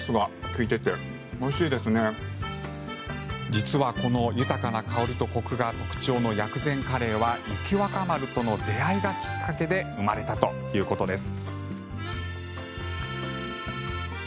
実はこの豊かな香りとコクが特徴の薬膳カレーは雪若丸との出会いがきっかけで生まれたということです。